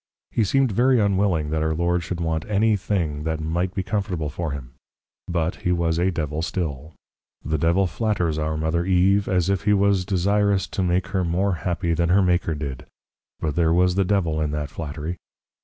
He seemed very unwilling that our Lord should want any thing that might be comfortable for him; but, he was a Devil still! The Devil flatters our Mother Eve, as if he was desirous to make her more Happy than her Maker did; but there was the Devil in that flattery.